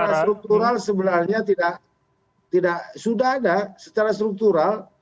secara struktural sebenarnya tidak sudah ada secara struktural